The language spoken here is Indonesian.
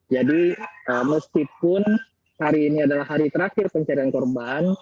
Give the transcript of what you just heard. jadi meskipun hari ini adalah hari terakhir pencarian korban